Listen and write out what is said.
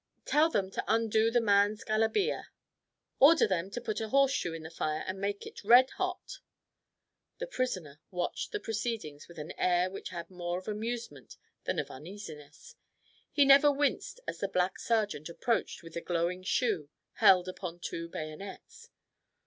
"Tell them to undo the man's galabeeah. Order them to put a horseshoe in the fire and make it red hot." The prisoner watched the proceedings with an air which had more of amusement than of uneasiness. He never winced as the black sergeant approached with the glowing shoe held upon two bayonets.